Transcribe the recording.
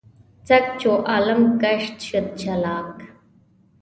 سګ چو عالم ګشت شد چالاک.